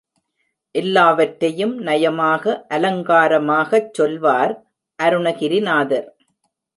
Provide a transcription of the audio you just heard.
எல்லாவற்றையும் நயமாக அலங்காரமாகச் சொல்வார் அருணகிரிநாதர்.